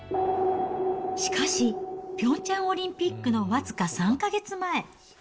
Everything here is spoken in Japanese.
しかし、ピョンチャンオリンピックの僅か３か月前。